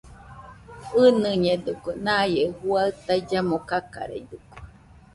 ɨnɨñedɨkue, naie juaɨ taillamo kakareidɨkue